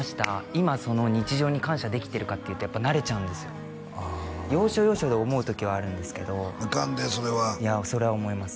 今その日常に感謝できてるかっていうとやっぱ慣れちゃうんですよああ要所要所で思う時はあるんですけどアカンでそれはいやそれは思います